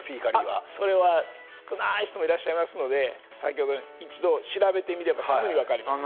あっそれは少ない人もいらっしゃいますので先ほどの一度調べてみればすぐに分かります。